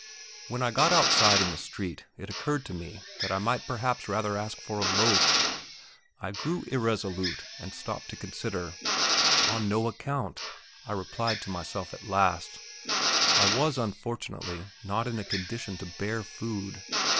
When I got outside in the street it occurred to me that I might perhaps rather ask for a loaf. I grew irresolute, and stopped to consider. "On no account," I replied to myself at last; I was unfortunately not in a condition to bear food.